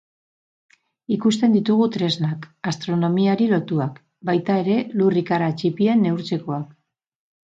Ikusten ditugu tresnak, astronomiari lotuak, baita ere lur ikara ttipien neurtzekoak.